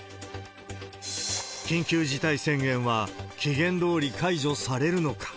緊急事態宣言は期限どおり解除されるのか。